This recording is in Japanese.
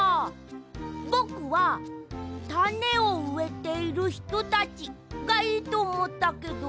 ぼくは「たねをうえているひとたち」がいいとおもったけど。